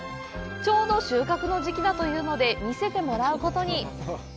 ちょうど収穫の時期だというので見せてもらうことに。